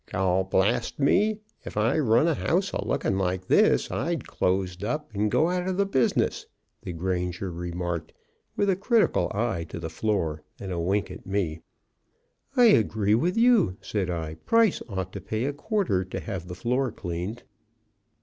"Gol blast me! If I run a house a lookin' like this, I'd close up and go out of the business," the granger remarked, with a critical eye to the floor and a wink at me. "I agree with you," said I; "Price ought to pay a quarter to have the floor cleaned.